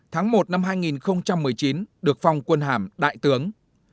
tháng một năm hai nghìn một mươi chín được phong quân hàm đại tướng